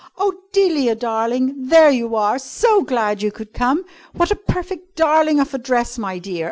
Oh, Delia, darling! There you are! So glad you could come! What a perfect darling of a dress, my dear.